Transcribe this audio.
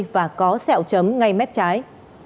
và có sẹo chấm ngay mép trái